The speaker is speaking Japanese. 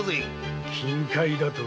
金塊だと？